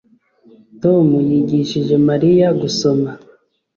Tom yigishije Mariya gusoma